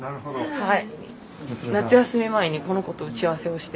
はい。